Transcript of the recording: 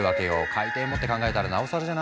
海底もって考えたらなおさらじゃない？